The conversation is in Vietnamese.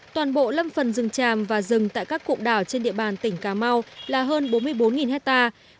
toàn bộ lâm phần rừng tràm và rừng tại các cụm đảo trên địa bàn tỉnh cà mau là hơn bốn mươi bốn hectare